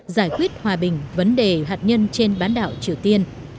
giải quyết hòa bình vấn đề hạt nhân trên bán đảo triều tiên